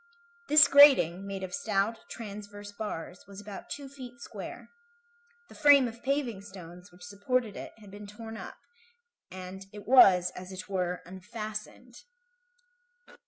This grating, made of stout, transverse bars, was about two feet square. The frame of paving stones which supported it had been torn up, and it was, as it were, unfastened.